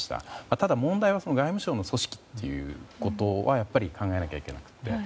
ただ、問題は外務省の組織ということは考えなきゃいけなくて。